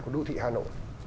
của đô thị hà nội